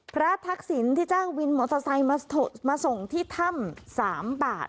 ทักษิณที่จ้างวินมอเตอร์ไซค์มาส่งที่ถ้ำ๓บาท